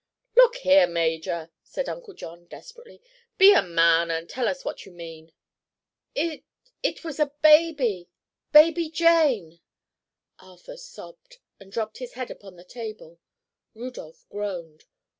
"Look here, Major," said Uncle John desperately, "be a man, and tell us what you mean." "It—it was baby—baby Jane!" Arthur sobbed and dropped his head upon the table. Rudolph groaned.